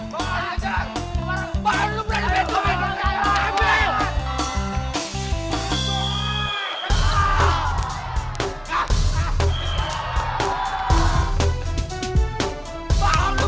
kacau obor obor jangan egois jawabnya sendiri